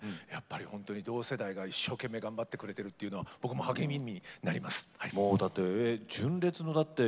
同世代が一生懸命頑張っているというのは、僕も励みになります。